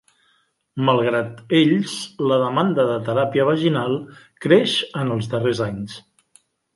Malgrat ells, la demanda de teràpia vaginal creix en els darrers anys.